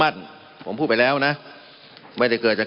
มันมีมาต่อเนื่องมีเหตุการณ์ที่ไม่เคยเกิดขึ้น